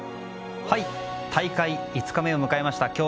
大会５日目を迎えました。